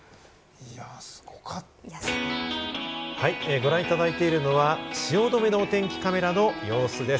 ご覧いただいているのは汐留のお天気カメラの様子です。